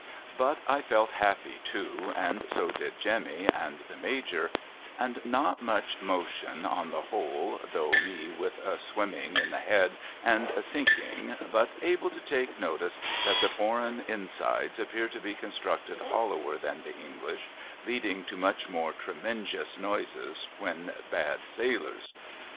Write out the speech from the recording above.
But I felt happy too and so did Jemmy and the Major and not much motion on the whole, though me with a swim ming in the head and a sinking but able to take notice that the foreign insides appear to be constructed hoUower than the English, leading to much more tremenjous noises when bad sailors.